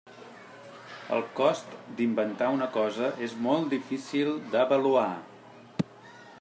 El cost d'inventar una cosa és molt difícil d'avaluar.